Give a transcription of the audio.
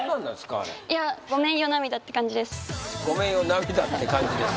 あれごめんよ涙って感じです？